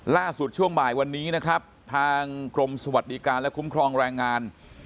ช่วงบ่ายวันนี้นะครับทางกรมสวัสดิการและคุ้มครองแรงงาน